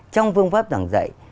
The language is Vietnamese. trong phương pháp giảng dạy